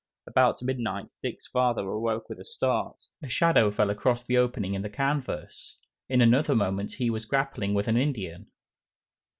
About midnight Dick's father awoke with a start. A shadow fell across the opening in the canvas. In another moment he was grappling with an Indian.